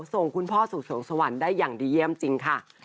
ส่งคุณพ่อสู่สวงสวรรค์ได้อย่างดีเยี่ยมจริงค่ะ